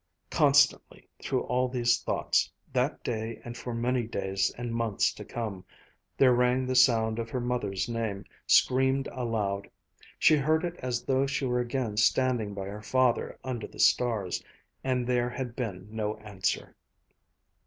Constantly through all these thoughts, that day and for many days and months to come, there rang the sound of her mother's name, screamed aloud. She heard it as though she were again standing by her father under the stars. And there had been no answer.